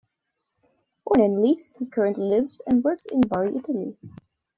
Born in Lecce, he currently lives and works in Bari, Italy.